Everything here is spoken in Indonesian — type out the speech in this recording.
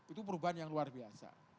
itu perubahan yang luar biasa